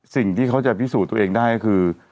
สิ่งที่เขาจะพิสูจน์ตัวเองได้ก็คือ